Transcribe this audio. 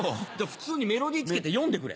普通にメロディーつけて読んでくれ。